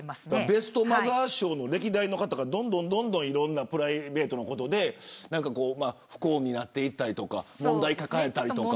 ベストマザー賞の歴代の方がどんどんプライベートのことで不幸になっていったり問題を抱えたり。